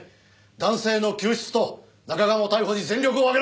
男性の救出と中鴨逮捕に全力を挙げろ！